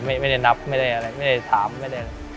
ไม่ได้นับไม่ได้อะไรไม่ได้ถามไม่ได้อะไร